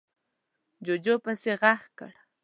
جُوجُو پسې غږ کړ: